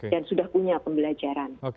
dan sudah punya pembelajaran